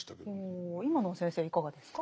おお今のは先生いかがですか？